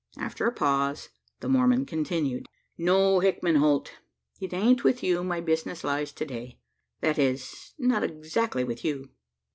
After a pause, the Mormon continued: "No, Hickman Holt, it aint with you my business lies to day that is, not exactly with you."